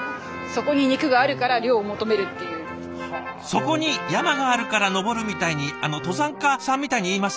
「そこに山があるから登る」みたいに登山家さんみたいに言いますね。